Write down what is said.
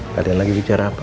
kalian lagi bicara apa